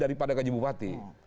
daripada gaji bupati